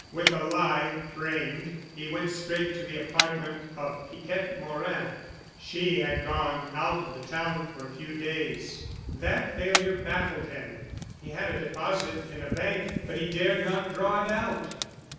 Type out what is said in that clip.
With a lie framed he went straight to the apartment of Piquette Morin. She had gone out of town for a few days. That failure baffled him. He had a deposit in a bank, but he dared not draw it out.